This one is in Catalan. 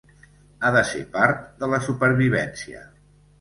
Ha de ser part de la supervivència.